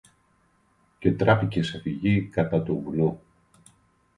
και τράπηκε σε φυγή κατά το βουνό.